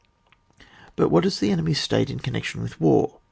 But what is the enemy's state in oon* nection with war